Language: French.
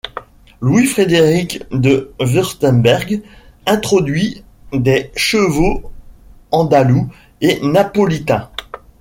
Louis-Frédéric de Wurtemberg introduit des chevaux andalous et napolitains.